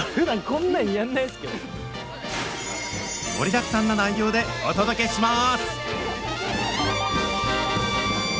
盛りだくさんの内容でお届けします！